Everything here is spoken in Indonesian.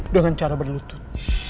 dengan cara berlutut